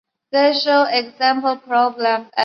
舰载机随舰多次到亚丁湾执行护航任务。